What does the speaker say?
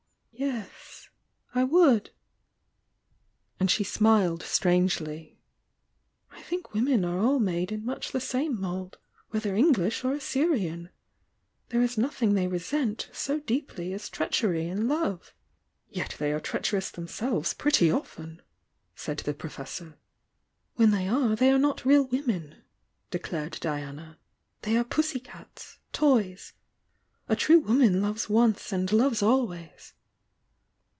"Yes, I would!" and she smiled strangely. "I think women are all made in much the same mould, whether English or Assyrian ! There is nothing they resent so deeply as treachery in love." "Yet they are treacherous themselves pretty often!" said the Professor. "When they are they are not real women," de clared Diana. "They are pussy cats, — toys! A true woman loves once and loves always!"